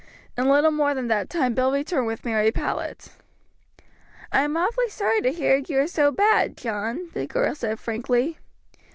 In little more than that time Bill returned with Mary Powlett. "I am awfully sorry to hear you are so bad, John," the girl said frankly.